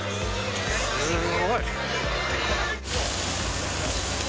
すごい。